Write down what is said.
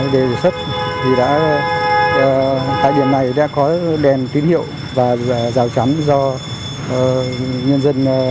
đề xuất thì đã tại điểm này đã có đèn tín hiệu và rào chắn do nhân dân